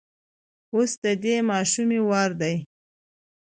اوس د دې ماشومې وار دی.